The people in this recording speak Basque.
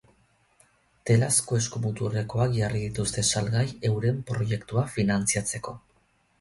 Telazko eskumuturrekoak jarri dituzte salgai euren proiektua finantziatzeko.